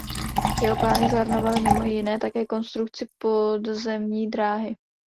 Jeho plány zahrnovaly mimo jiné také konstrukci podzemní dráhy.